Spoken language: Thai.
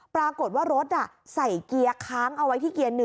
ปรากฏว่ารถใส่เกียร์ค้างเอาไว้ที่เกียร์๑